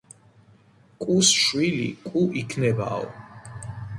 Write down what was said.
კუს შვილი კუ იქნებაო